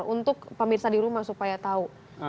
untuk pemirsa di rumah supaya tahu